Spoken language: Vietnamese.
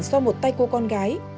do một tay cô con gái